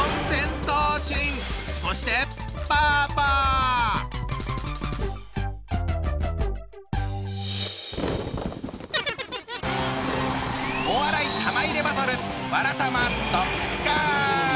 そしてお笑い玉入れバトル